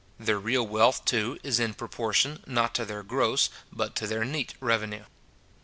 Their real wealth, too, is in proportion, not to their gross, but to their neat revenue.